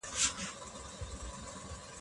د ژوند حق سپېڅلی دی.